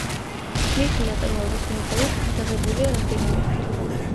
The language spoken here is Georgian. მისი ნაწარმოებების მიხედვით გადაღებულია რამდენიმე ფილმი.